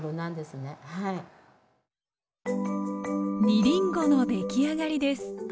煮りんごの出来上がりです。